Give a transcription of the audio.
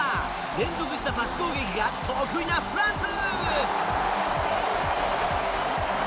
連続したパス攻撃が得意なフランス！